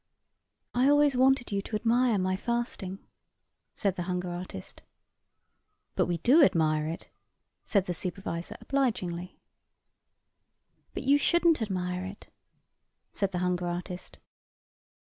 "I always wanted you to admire my fasting," said the hunger artist. "But we do admire it," said the supervisor obligingly. "But you shouldn't admire it," said the hunger artist.